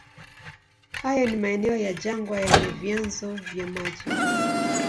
Haya ni maeneo ya jangwa yenye vyanzo vya maji.